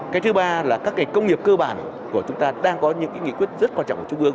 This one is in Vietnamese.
cái thứ ba là các ngành công nghiệp cơ bản của chúng ta đang có những nghị quyết rất quan trọng của trung ương